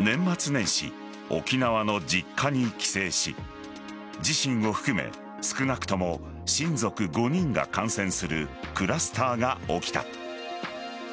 年末年始、沖縄の実家に帰省し自身を含め少なくとも親族５人が感染するクラスターが起きた。